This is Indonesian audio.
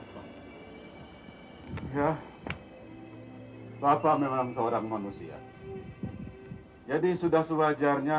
sampai jumpa di video selanjutnya